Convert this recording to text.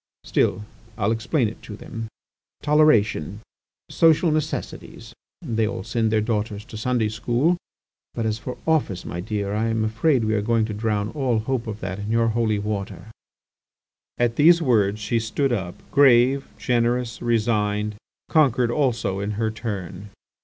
... Still I'll explain it to them ... toleration, social necessities .... They all send their daughters to Sunday school .... But as for office, my dear I am afraid we are going to drown all hope of that in your holy water." At these words she stood up grave, generous, resigned, conquered also in her turn.